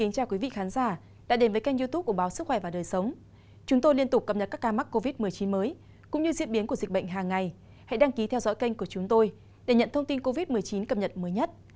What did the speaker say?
các bạn hãy đăng ký kênh của chúng tôi để nhận thông tin cập nhật mới nhất